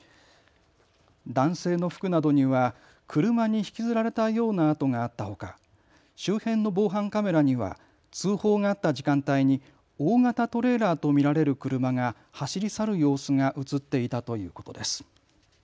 男性の服などには車に引きずられたような跡があったほか周辺の防犯カメラには通報があった時間帯に大型トレーラーと見られる車が走り去る様子が写っていたということです。